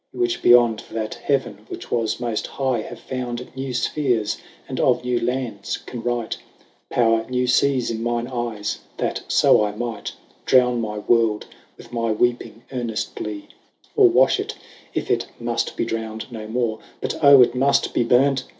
You which beyond that heaven which was moft high 5 Have found new fphears, and of new lands can write, Powre new feas in mine eyes, that fo I might Drowne my world with my weeping earneftly, Or warn it, if it muft be drown'd no more : But oh it muft be burnt!